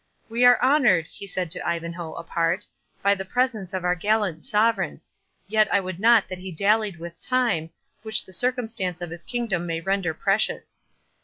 "We are honoured," he said to Ivanhoe, apart, "by the presence of our gallant Sovereign; yet I would not that he dallied with time, which the circumstances of his kingdom may render precious."